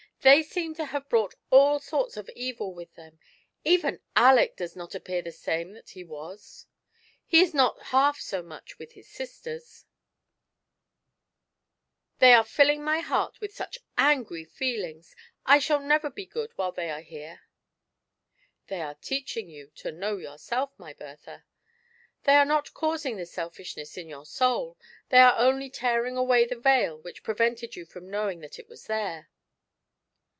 " They seem to have brought all sorts of evil with them — even Aleck does not appear the same that he was — he is not half so much with his sisters ; they are filling my heart with such angry feelings — I shall never be good while they are here." " They are teaching you to know yourself, my Bertha ; they are not causing the selfishness in your soul, they are only tearing away the veil which prevented you from knowing that it was there.